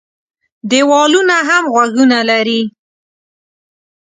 دېوالونه هم غوږونه لري.